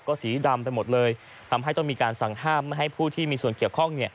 ก็สีดำไปหมดเลยทำให้ต้องมีการสั่งห้ามไม่ให้ผู้ที่มีส่วนเกี่ยวข้อง